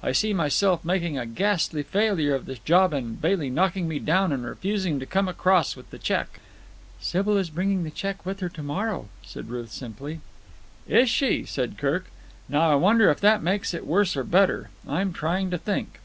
I see myself making a ghastly failure of this job and Bailey knocking me down and refusing to come across with the cheque." "Sybil is bringing the cheque with her to morrow," said Ruth simply. "Is she?" said Kirk. "Now I wonder if that makes it worse or better. I'm trying to think!"